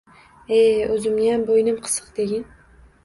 – E-e, o‘zimniyam bo‘ynim qisiq degin?